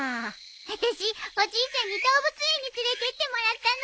あたしおじいちゃんに動物園に連れてってもらったの。